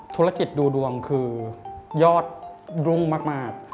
ธุรกิจดูดวงคือยอดรุ่งมาก